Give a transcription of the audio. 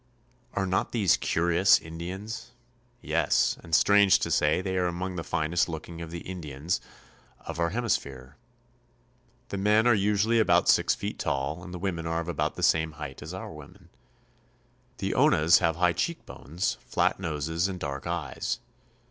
Are not these curious Indians? Yes; and, strange to say, they are among the finest looking of the Indians of our 1 66 CHILE. hemisphere. The men are usually about six feet tall, and the women are of about the same height as our women. The Onas have high cheekbones, flat noses, and dark eyes.